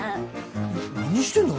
何してんの？